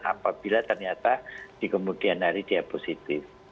apabila ternyata di kemudian hari dia positif